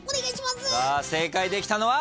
正解できたのは？